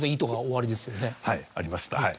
はいありました。